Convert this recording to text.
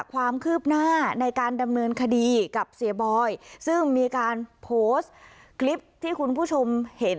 ความคืบหน้าในการดำเนินคดีกับเสียบอยซึ่งมีการโพสต์คลิปที่คุณผู้ชมเห็น